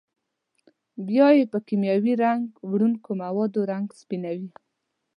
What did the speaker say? بیا یې په کېمیاوي رنګ وړونکو موادو رنګ سپینوي.